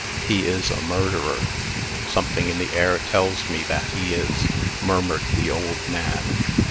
"He is a murderer. Something in the air tells me that he is," murmured the old man.